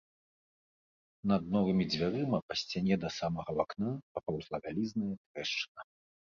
Над новымі дзвярыма па сцяне да самага вакна папаўзла вялізная трэшчына.